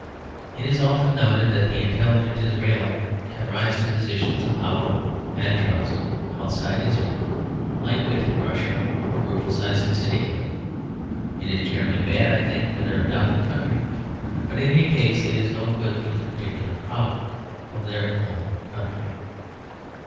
It is often noted that the intelligent Israelite can rise to positions of power and trust outside Israel, like Witte in Russia or Rufus Isaacs in England. It is generally bad, I think, for their adopted country; but in any case it is no good for the particular problem of their own country.